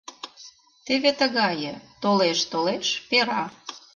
Теве тыгае: «Толеш, толеш — пера!»